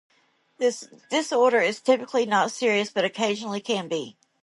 The disorder is typically not serious but occasionally can be.